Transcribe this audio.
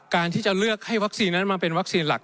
การที่จะเลือกให้วัคซีนนั้นมาเป็นวัคซีนหลัก